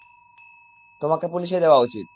তোমাকে পুলিশে দেয়া উচিৎ।